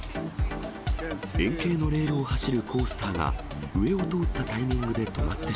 円形のレールを走るコースターが、上を通ったタイミングで止まって